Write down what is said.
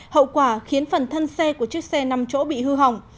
hậu quả khiến phần thân xe của chiếc xe năm chỗ bị hư hỏng